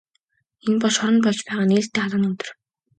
Энэ бол шоронд болж байгаа нээлттэй хаалганы өдөр.